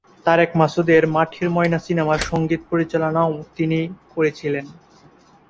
তারেক মাসুদের "মাটির ময়না" সিনেমার সংগীত পরিচালনাও তিনি করেছিলেন।